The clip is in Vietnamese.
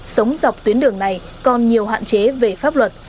sống dọc tuyến đường này còn nhiều hạn chế về pháp luật